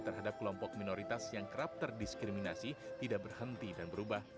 terhadap kelompok minoritas yang kerap terdiskriminasi tidak berhenti dan berubah